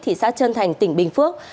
thị xã trân thành tỉnh bình phước